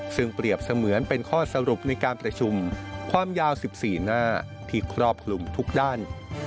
ซึ่งเปรียบเสมือนเป็นข้อสรุปในการประชุมความยาว๑๔หน้าที่ครอบคลุมทุกด้าน